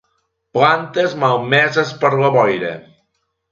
Plantes malmeses per la boira.